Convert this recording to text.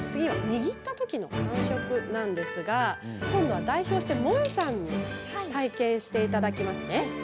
握った時の感触なんですが今度は代表して、もえさんに体験していただきますね。